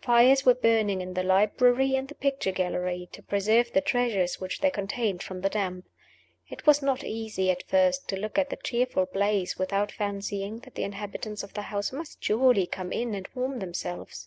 Fires were burning in the library and the picture gallery, to preserve the treasures which they contained from the damp. It was not easy, at first, to look at the cheerful blaze without fancying that the inhabitants of the house must surely come in and warm themselves.